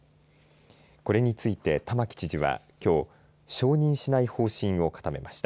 これについて玉城知事はきょう、承認しない方針を固めました。